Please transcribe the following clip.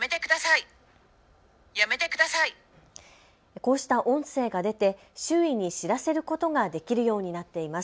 こうした音声が出て周囲に知らせることができるようになっています。